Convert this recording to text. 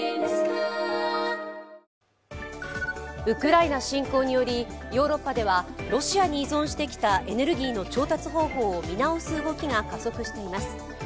ウクライナ侵攻によりヨーロッパではロシアに依存してきたエネルギーの調達方法を見直す動きが加速しています。